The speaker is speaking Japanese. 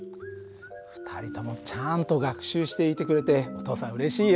２人ともちゃんと学習していてくれてお父さんうれしいよ。